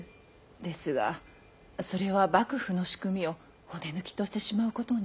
ですがそれは幕府の仕組みを骨抜きとしてしまうことに。